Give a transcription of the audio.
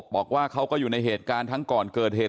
บอกว่าเขาก็อยู่ในเหตุการณ์ทั้งก่อนเกิดเหตุ